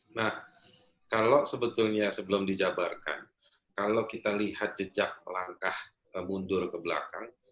nah kalau sebetulnya sebelum dijabarkan kalau kita lihat jejak langkah mundur ke belakang